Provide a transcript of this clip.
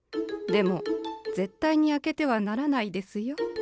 でも絶対に開けてはならないですよ。